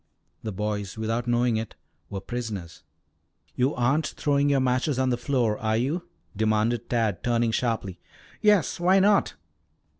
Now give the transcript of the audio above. The boys, without knowing it, were prisoners. "You aren't throwing your matches on the floor, are you?" demanded Tad turning sharply. "Yes, why not?"